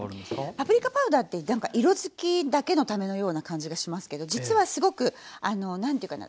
パプリカパウダーって何か色づきだけのためのような感じがしますけど実はすごく何て言うかな